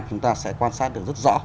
chúng ta sẽ quan sát được rất rõ